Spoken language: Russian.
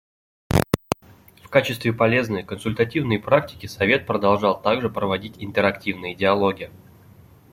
В качестве полезной консультативной практики Совет продолжал также проводить интерактивные диалоги.